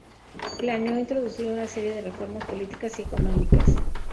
Planeó introducir una serie de reformas políticas y económicas.